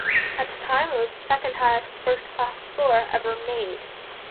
At the time, it was the second highest first-class score ever made.